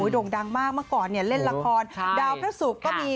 โด่งดังมากเมื่อก่อนเล่นละครดาวพระศุกร์ก็มี